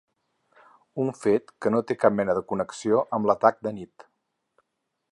Un fet que no té cap mena de connexió amb l’atac d’anit.